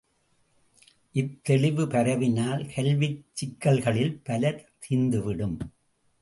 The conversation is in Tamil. இத்தெளிவு பரவினால் கல்விச் சிக்கல்களில் பல தீர்ந்துவிடும்.